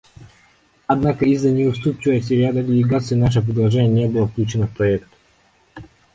Однако из-за неуступчивости ряда делегаций наше предложение не было включено в проект.